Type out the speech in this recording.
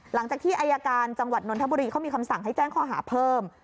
หลังจากที่อายการจังหวัดนนทบุรีเขามีคำสั่งให้แจ้งข้อหาเพิ่ม